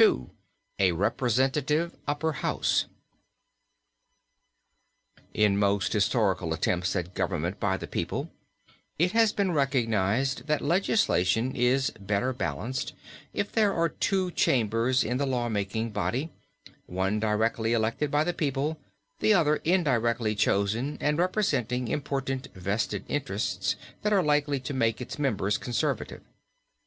II. A REPRESENTATIVE UPPER HOUSE. In most historical attempts at government by the people it has been recognized that legislation is better balanced if there are two chambers in the law making body, one directly elected by the people, the other indirectly chosen and representing important vested interests that are likely to make its members conservative.